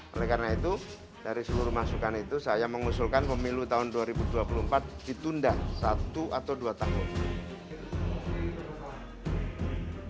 oleh karena itu dari seluruh masukan itu saya mengusulkan pemilu tahun dua ribu dua puluh empat ditunda satu atau dua tahun